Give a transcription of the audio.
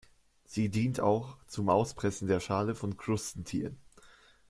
Sie dient auch zum Auspressen der Schale von Krustentieren.